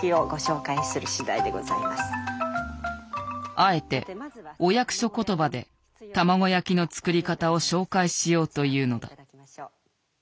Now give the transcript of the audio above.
あえてお役所ことばで卵焼きの作り方を紹介しようというのだ。